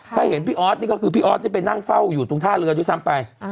ถ้าเห็นพี่ออสนี่ก็คือพี่ออสที่ไปนั่งเฝ้าอยู่ตรงท่าเรือด้วยซ้ำไป